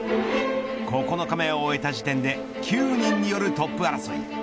９日目を終えた時点で９人によるトップ争い。